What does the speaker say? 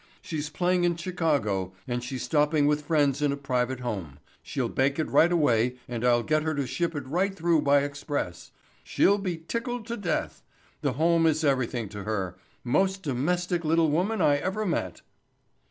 She's playing in Chicago and she's stopping with friends in a private home. She'll bake it right away and I'll get her to ship it right through by express. She'll be tickled to death. The home is everything to her. Most domestic little woman I ever met."